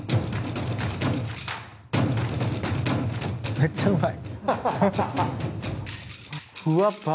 めっちゃうまい。